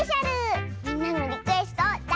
みんなのリクエストをだ